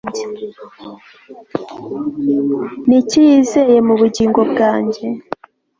Ni iki yizeye mu bugingo bwanjye